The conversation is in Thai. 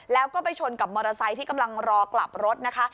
แล้วก็ไปชนกับมอเตอร์ไซค์ที่กำลังรอกลับรถนะคะ